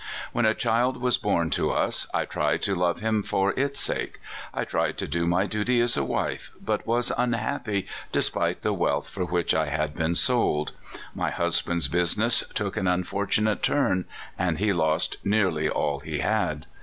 When a child was born to us, I tried to love him for its sake. I tried to do my duty as a wife, but was unhappy, despite the wealth for Avhich I had been sold. My husband's business took an unfortunate turn, and he lost nearly all he had.